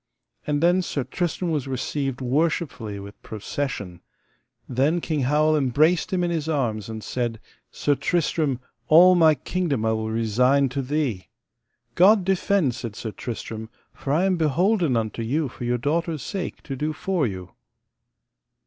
And then Sir Tristram was received worshipfully with procession. Then King Howel embraced him in his arms, and said: Sir Tristram, all my kingdom I will resign to thee. God defend, said Sir Tristram, for I am beholden unto you for your daughter's sake to do for you.